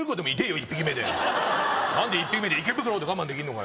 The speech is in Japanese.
１匹目で何で１匹目で池袋で我慢できんのかよ